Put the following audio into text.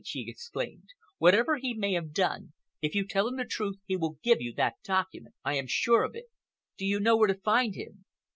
she exclaimed. "Whatever he may have done, if you tell him the truth he will give you that document. I am sure of it. Do you know where to find him?"